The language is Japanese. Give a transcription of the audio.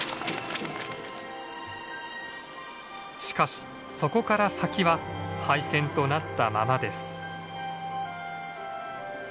しかしそこから先は廃線となったままです。